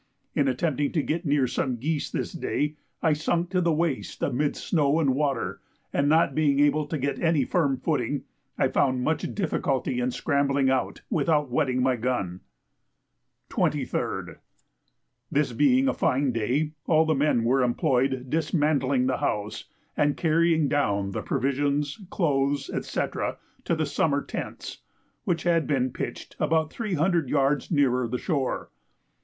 In attempting to get near some geese this day I sunk to the waist amidst snow and water, and not being able to get any firm footing, I found much difficulty in scrambling out without wetting my gun. 23rd. This being a fine day, all the men were employed dismantling the house and carrying down the provisions, clothes, &c. to the summer tents, which had been pitched about 300 yards nearer the shore.